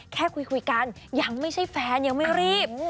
แค่คุยกันยังไม่ใช่แฟนยังไม่รีบ